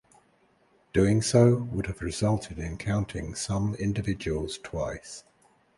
Doing so would have resulted in counting some individuals twice.